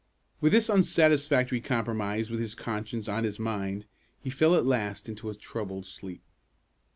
With this unsatisfactory compromise with his conscience on his mind, he fell at last into a troubled sleep.